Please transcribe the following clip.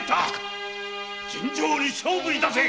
尋常に勝負いたせ！